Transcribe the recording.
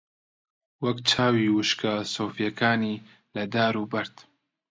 وەک چاوی وشکە سۆفییەکانی لە دار و بەرد